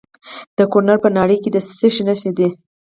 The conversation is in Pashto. د کونړ په ناړۍ کې د څه شي نښې دي؟